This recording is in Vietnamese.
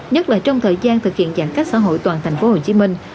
nhất là trong thời gian thực hiện giãn cách xã hội toàn thành phố hồ chí minh